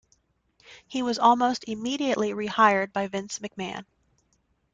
He was almost immediately re-hired by Vince McMahon.